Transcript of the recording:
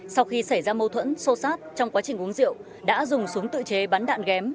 sau khi xảy ra mâu thuẫn xô xát trong quá trình uống rượu đã dùng súng tự chế bắn đạn ghém